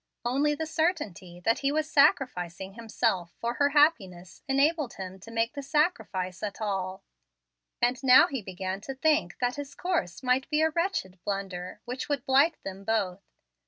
Only the certainty that he was sacrificing himself for her happiness enabled him to make the sacrifice at all, and now he began to think that his course might be a wretched blunder which would blight them both.